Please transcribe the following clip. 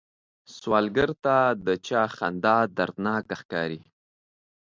سوالګر ته د چا خندا دردناکه ښکاري